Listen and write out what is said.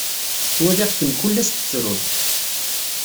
Ttwaliɣ-kem kullas tettruḍ.